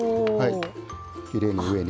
きれいに上に。